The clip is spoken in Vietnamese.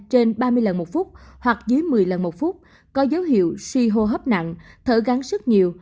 trên ba mươi lần một phút hoặc dưới một mươi lần một phút có dấu hiệu suy hô hấp nặng thở gắng sức nhiều